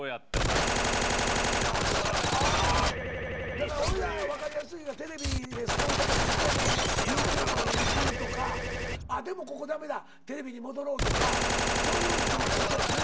だからおいら分かりやすいテレビでスポンサーがついてたけどもＹｏｕＴｕｂｅに移るとかあっでもここ駄目だテレビに戻ろうとかそういう繰り返しやねんな